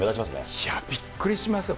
いやぁ、びっくりしますね。